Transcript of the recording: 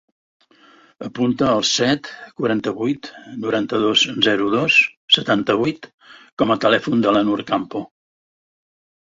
Apunta el set, quaranta-vuit, noranta-dos, zero, dos, setanta-vuit com a telèfon de la Nour Campo.